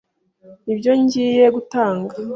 Nibyo ngiye gutanga.